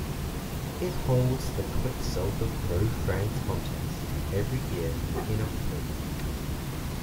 It holds the Quiksilver Pro France contest every year in October.